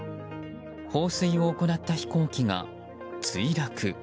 放水を行った飛行機が墜落。